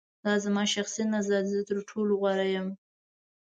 دا زما شخصی نظر دی. زه تر ټولو غوره یم.